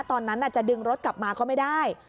ตอนนั้นจะดึงรถกลับมาก็ไม่ได้